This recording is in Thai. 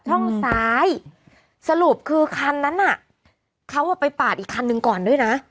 ช่องซ้ายสรุปคือคันนั้นน่ะเขาไปปาดอีกคันหนึ่งก่อนด้วยนะ